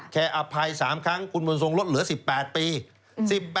ขออภัย๓ครั้งคุณบุญทรงลดเหลือ๑๘ปี